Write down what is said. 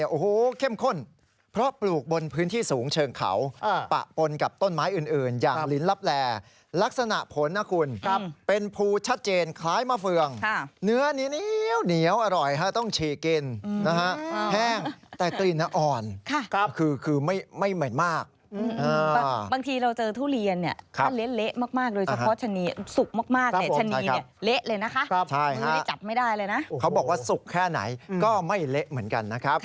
โอ้โหเข้มข้นเพราะปลูกบนพื้นที่สูงเชิงเขาอ่าปะปนกับต้นไม้อื่นอื่นอย่างลิ้นลับแลลักษณะผลนะคุณครับเป็นภูชัดเจนคล้ายมะเฟืองค่ะเนื้อนิ้วอร่อยฮะต้องฉีกินอืมนะฮะแห้งแต่ตีนอ่อนค่ะครับคือคือไม่ไม่เหมือนมากอืมอืมอืมอ่าบางทีเราเจอท